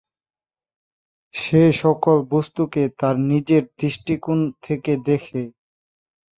সে সকল বস্তুকে তার নিজের দৃষ্টিকোণ থেকে দেখে।